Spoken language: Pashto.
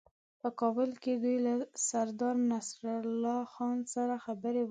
په کابل کې دوی له سردارنصرالله خان سره خبرې وکړې.